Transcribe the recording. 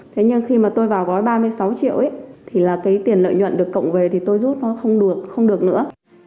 thế nhưng khi mà tôi vào gói ba mươi sáu triệu ấy là cái tiền lợi nhuận được cộng về thì tôi rút nó không được không được nữa